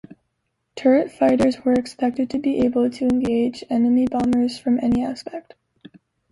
Turret fighters were expected to be able to engage enemy bombers from any aspect.